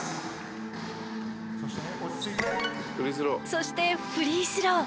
そしてフリースロー。